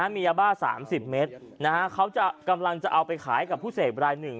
มียาบ้า๓๐เมตรเขากำลังจะเอาไปขายกับผู้เสพรายหนึ่ง